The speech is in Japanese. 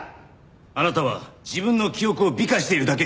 あなたは自分の記憶を美化しているだけ。